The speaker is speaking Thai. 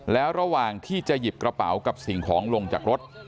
แล้วระหว่างที่จะหยิบกระเป๋ากับสิ่งของลงจากรถ